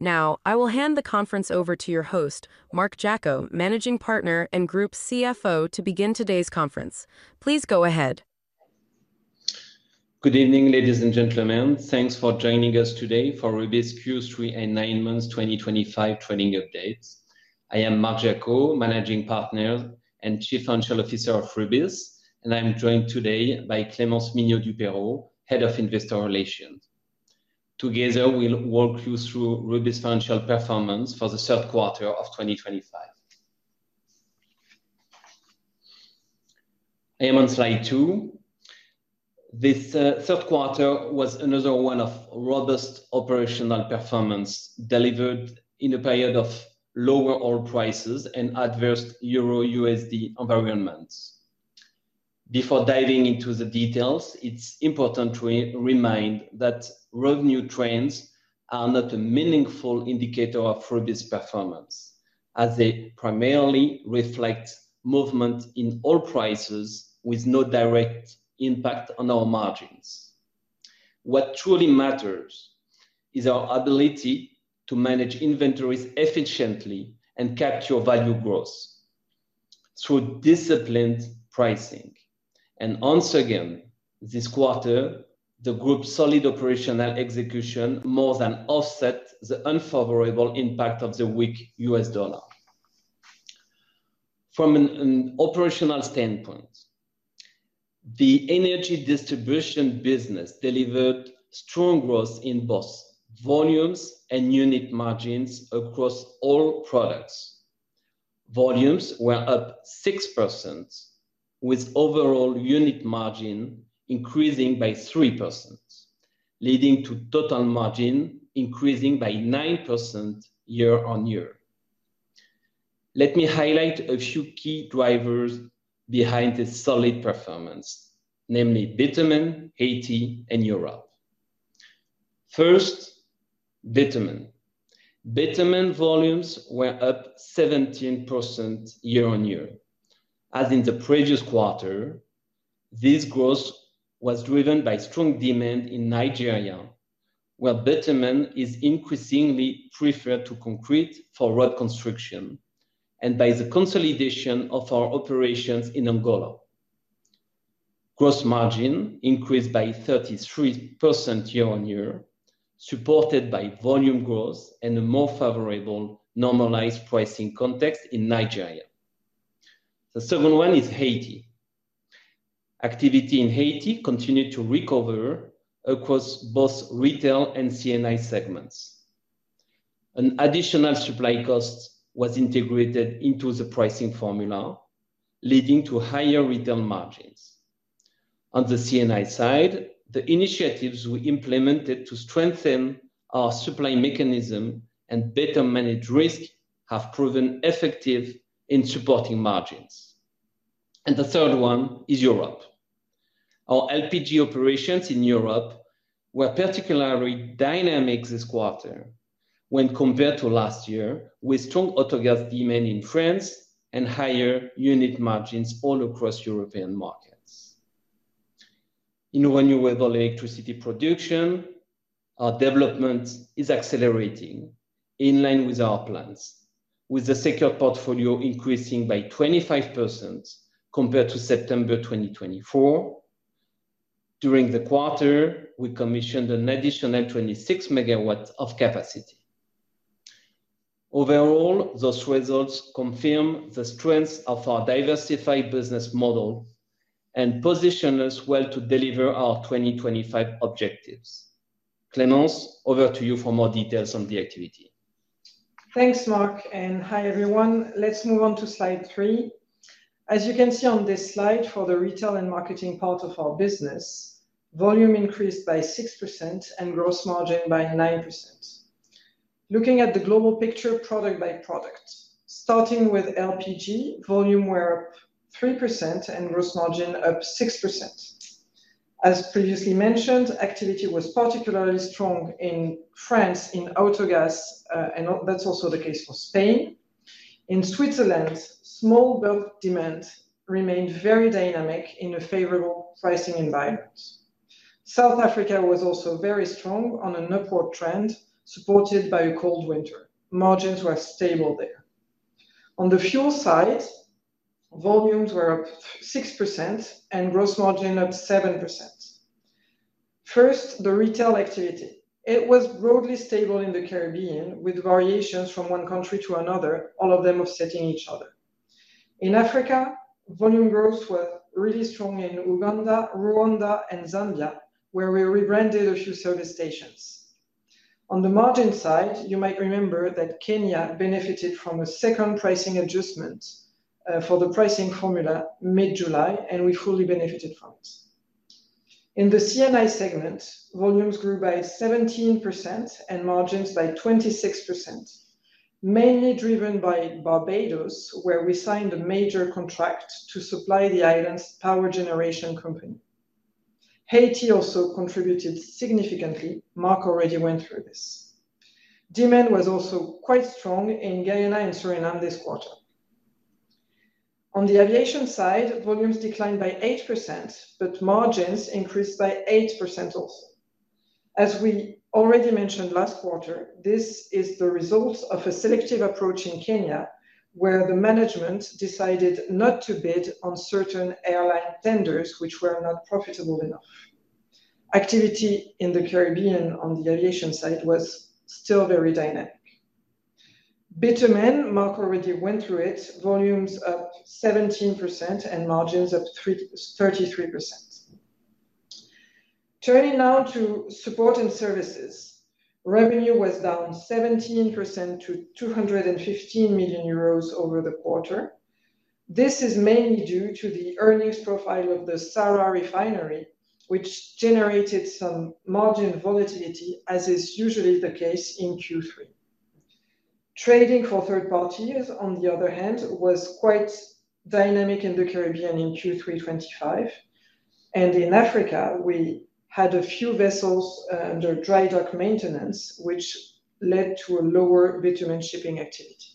Now, I will hand the conference over to your host, Marc Jacquot, Managing Partner and Group CFO, to begin today's conference. Please go ahead. Good evening, ladies and gentlemen. Thanks for joining us today for Rubis Q3 and 9M25 earnings updates. I am Marc Jacquot, Managing Partner and Chief Financial Officer of Rubis, and I'm joined today by Clémence Mignot-Dupeyrot, Head of Investor Relations. Together, we'll walk you through Rubis' financial performance for the third quarter of 2025. I am on slide two. This third quarter was another one of robust operational performance delivered in a period of lower oil prices and adverse Euro/USD environments. Before diving into the details, it's important to remind that revenue trends are not a meaningful indicator of Rubis' performance, as they primarily reflect movement in oil prices with no direct impact on our margins. What truly matters is our ability to manage inventories efficiently and capture value growth through disciplined pricing. And once again, this quarter, the Group's solid operational execution more than offsets the unfavorable impact of the weak U.S. dollar. From an operational standpoint, the energy distribution business delivered strong growth in both volumes and unit margins across all products. Volumes were up 6%. With overall unit margin increasing by 3%. Leading to total margin increasing by 9% year on year. Let me highlight a few key drivers behind this solid performance, namely Bitumen, Haiti, and Europe. First, Bitumen. Bitumen volumes were up 17% year on year, as in the previous quarter. This growth was driven by strong demand in Nigeria, where Bitumen is increasingly preferred to concrete for road construction and by the consolidation of our operations in Angola. Gross margin increased by 33% year on year, supported by volume growth and a more favorable normalized pricing context in Nigeria. The second one is Haiti. Activity in Haiti continued to recover across both retail and CNI segments. An additional supply cost was integrated into the pricing formula, leading to higher return margins. On the CNI side, the initiatives we implemented to strengthen our supply mechanism and better manage risk have proven effective in supporting margins, and the third one is Europe. Our LPG operations in Europe were particularly dynamic this quarter when compared to last year, with strong autogas demand in France and higher unit margins all across European markets. In renewable electricity production, our development is accelerating in line with our plans, with the secure portfolio increasing by 25% compared to September 2024. During the quarter, we commissioned an additional 26 MW of capacity. Overall, those results confirm the strength of our diversified business model and position us well to deliver our 2025 objectives. Clémence, over to you for more details on the activity. Thanks, Marc. And hi, everyone. Let's move on to slide three. As you can see on this slide, for the retail and marketing part of our business. Volume increased by 6% and gross margin by 9%. Looking at the global picture, product by product, starting with LPG, volume were up 3% and gross margin up 6%. As previously mentioned, activity was particularly strong in France in autogas, and that's also the case for Spain. In Switzerland, small bulk demand remained very dynamic in a favorable pricing environment. South Africa was also very strong on an upward trend supported by a cold winter. Margins were stable there. On the fuel side, volumes were up 6% and gross margin up 7%. First, the retail activity. It was broadly stable in the Caribbean, with variations from one country to another, all of them offsetting each other. In Africa, volume growth was really strong in Uganda, Rwanda, and Zambia, where we rebranded a few service stations. On the margin side, you might remember that Kenya benefited from a second pricing adjustment for the pricing formula mid-July, and we fully benefited from it. In the CNI segment, volumes grew by 17% and margins by 26%. Mainly driven by Barbados, where we signed a major contract to supply the island's power generation company. Haiti also contributed significantly. Marc already went through this. Demand was also quite strong in Guyana and Suriname this quarter. On the aviation side, volumes declined by 8%, but margins increased by 8% also. As we already mentioned last quarter, this is the result of a selective approach in Kenya, where the management decided not to bid on certain airline tenders which were not profitable enough. Activity in the Caribbean on the aviation side was still very dynamic. Bitumen, Marc already went through it, volumes up 17% and margins up 33%. Turning now to support and services, revenue was down 17% to 215 million euros over the quarter. This is mainly due to the earnings profile of the SARA refinery, which generated some margin volatility, as is usually the case in Q3. Trading for third parties, on the other hand, was quite dynamic in the Caribbean in Q3 2025. And in Africa, we had a few vessels under dry dock maintenance, which led to a lower Bitumen shipping activity.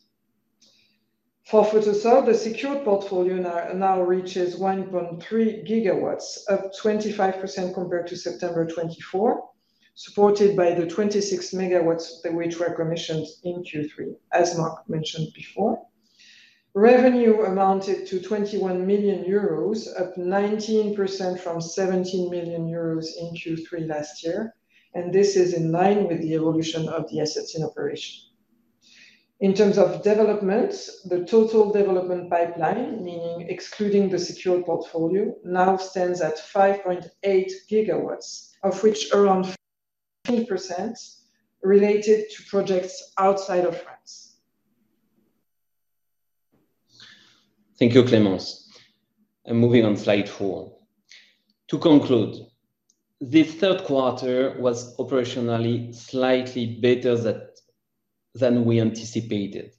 For solar, the secure portfolio now reaches 1.3 GW, up 25% compared to September 2024, supported by the 26 MW which were commissioned in Q3, as Marc mentioned before. Revenue amounted to 21 million euros, up 19% from 17 million euros in Q3 last year. And this is in line with the evolution of the assets in operation. In terms of development, the total development pipeline, meaning excluding the secure portfolio, now stands at 5.8 GW, of which around 3% related to projects outside of France. Thank you, Clémence, and moving on slide four. To conclude, this third quarter was operationally slightly better than we anticipated.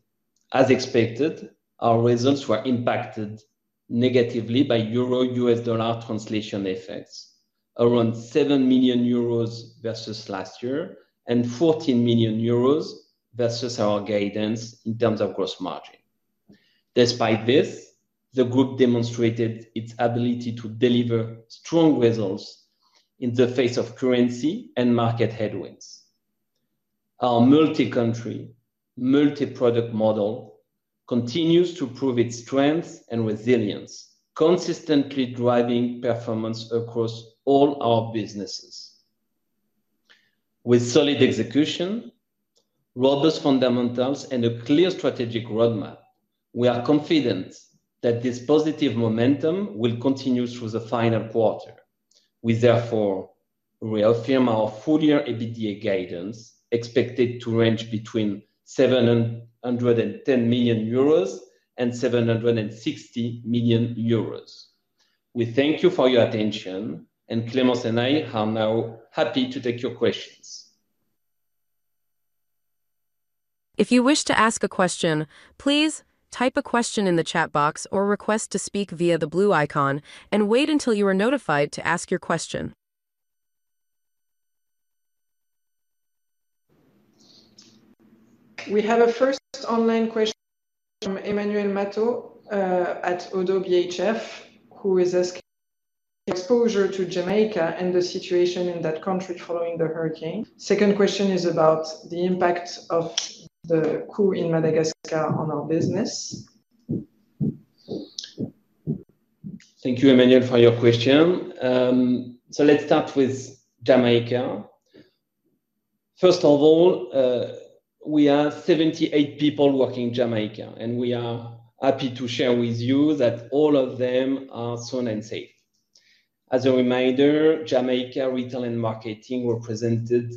As expected, our results were impacted negatively by Euro/U.S. dollar translation effects, around 7 million euros versus last year and 14 million euros versus our guidance in terms of gross margin. Despite this, the Group demonstrated its ability to deliver strong results in the face of currency and market headwinds. Our multi-country, multi-product model continues to prove its strength and resilience, consistently driving performance across all our businesses. With solid execution, robust fundamentals, and a clear strategic roadmap, we are confident that this positive momentum will continue through the final quarter. We therefore reaffirm our full-year EBITDA guidance, expected to range between 710 million euros and 760 million euros. We thank you for your attention, and Clémence and I are now happy to take your questions. If you wish to ask a question, please type a question in the chat box or request to speak via the blue icon and wait until you are notified to ask your question. We have a first online question from Emmanuel Matteau at ODDO BHF, who is asking. Exposure to Jamaica and the situation in that country following the hurricane. Second question is about the impact of the coup in Madagascar on our business. Thank you, Emmanuel, for your question. So let's start with Jamaica. First of all, we have 78 people working in Jamaica, and we are happy to share with you that all of them are sound and safe. As a reminder, Jamaica Retail and Marketing represented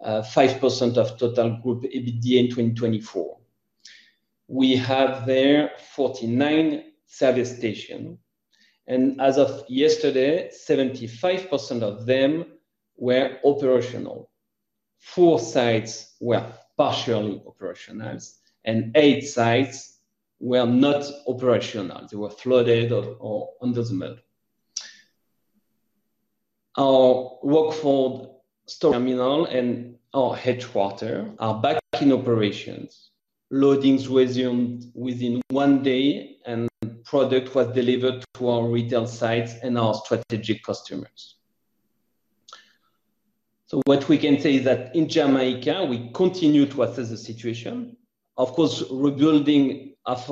5% of total Group EBITDA in 2024. We have there 49 service stations, and as of yesterday, 75% of them were operational. Four sites were partially operational, and eight sites were not operational. They were flooded or under the mud. Our workforce terminal and our headquarters are back in operations. Loadings resumed within one day, and product was delivered to our retail sites and our strategic customers. So what we can say is that in Jamaica, we continue to assess the situation. Of course, rebuilding of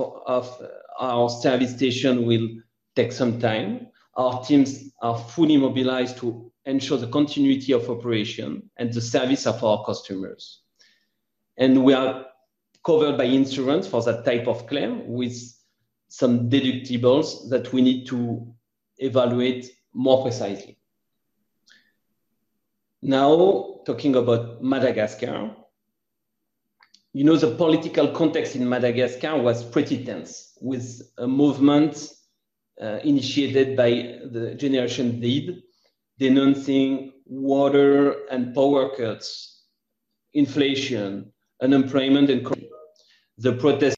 our service stations will take some time. Our teams are fully mobilized to ensure the continuity of operation and the service of our customers. And we are covered by insurance for that type of claim, with some deductibles that we need to evaluate more precisely. Now, talking about Madagascar. You know, the political context in Madagascar was pretty tense, with a movement initiated by the Generation Z denouncing water and power cuts, inflation, unemployment, and the protests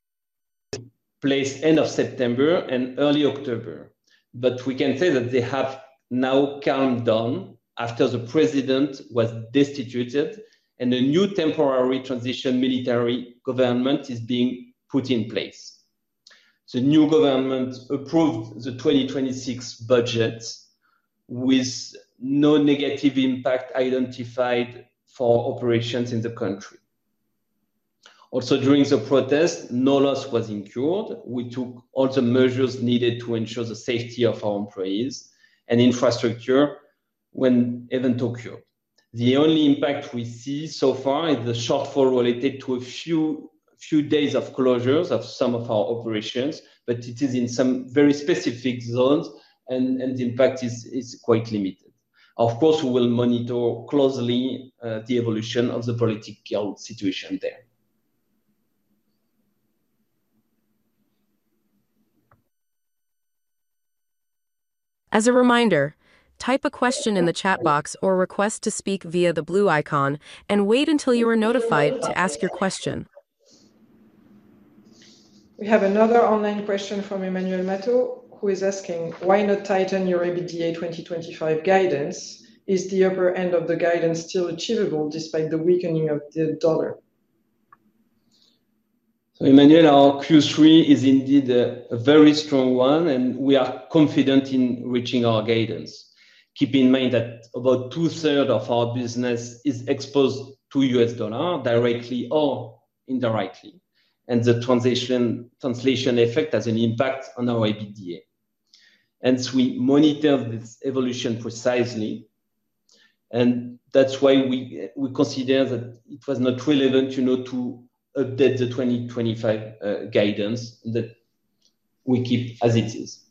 placed end of September and early October. But we can say that they have now calmed down after the president was deposed, and a new temporary transition military government is being put in place. The new government approved the 2026 budget with no negative impact identified for operations in the country. Also, during the protests, no loss was incurred. We took all the measures needed to ensure the safety of our employees and infrastructure when event occurred. The only impact we see so far is the shortfall related to a few days of closures of some of our operations, but it is in some very specific zones, and the impact is quite limited. Of course, we will monitor closely the evolution of the political situation there. As a reminder, type a question in the chat box or request to speak via the blue icon and wait until you are notified to ask your question. We have another online question from Emmanuel Matteau, who is asking, why not tighten your EBITDA 2025 guidance? Is the upper end of the guidance still achievable despite the weakening of the dollar? So Emmanuel, our Q3 is indeed a very strong one, and we are confident in reaching our guidance. Keep in mind that about two-thirds of our business is exposed to U.S. dollar directly or indirectly, and the translation effect has an impact on our EBITDA. Hence, we monitor this evolution precisely. And that's why we consider that it was not relevant to update the 2025 guidance that we keep as it is.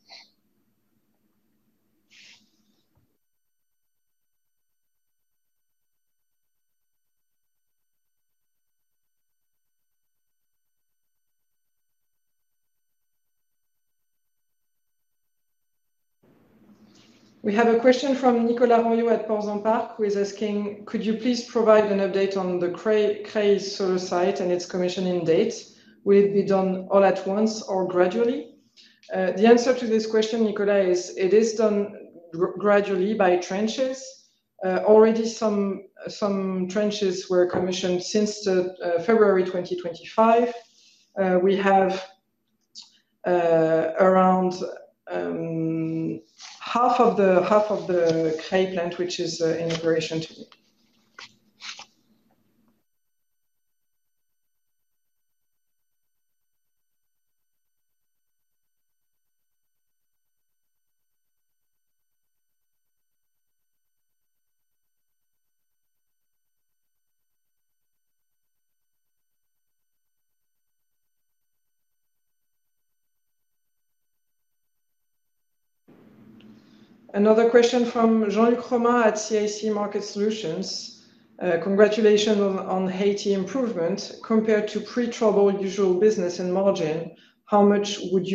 We have a question from Nicolas Rouillou at Portzamparc, who is asking, could you please provide an update on the Cray solar site and its commissioning date? Will it be done all at once or gradually? The answer to this question, Nicolas, is it is done gradually by trenches. Already, some trenches were commissioned since February 2025. We have around half of the Cray plant, which is in operation today. Another question from Jean-Luc Romand at CIC Market Solutions. Congratulations on Haiti improvement. Compared to pre-troubled usual business and margin, how much would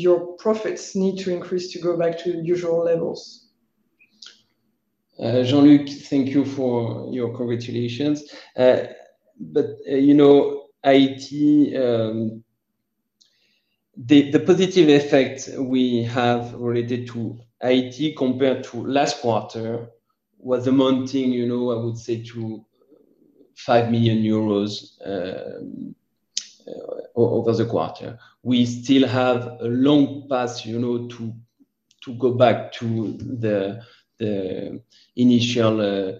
your profits need to increase to go back to usual levels? Jean-Luc, thank you for your congratulations. But you know, the positive effect we have related to Haiti compared to last quarter was amounting, you know, I would say, to 5 million euros over the quarter. We still have a long path to go back to the initial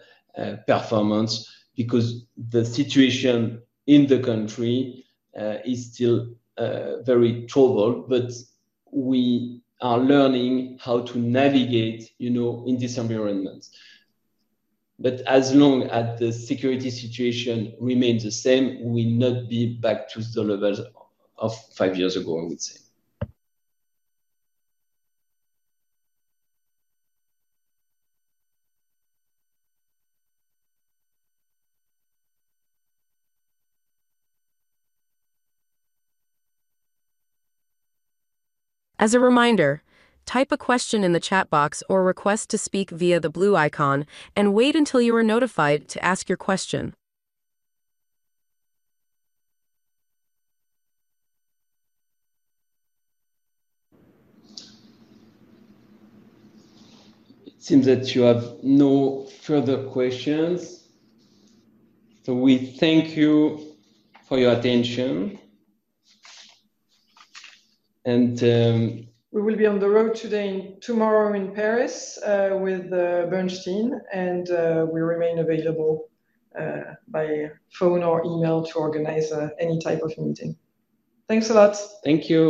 performance because the situation in the country is still very troubled, but we are learning how to navigate in these environments, but as long as the security situation remains the same, we will not be back to the levels of five years ago, I would say. As a reminder, type a question in the chat box or request to speak via the blue icon and wait until you are notified to ask your question. It seems that you have no further questions. So we thank you for your attention. And. We will be on the road today and tomorrow in Paris with Bernstein, and we remain available by phone or email to organize any type of meeting. Thanks a lot. Thank you.